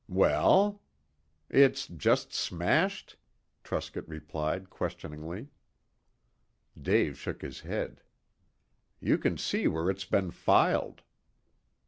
"Well?" "It's just smashed?" Truscott replied questioningly. Dave shook his head. "You can see where it's been filed."